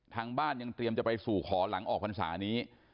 ทางบ้านยังเตรียมจะไปสู่ขอหลังออกพรรษานี้